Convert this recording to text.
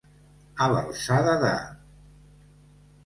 A l'alçada de.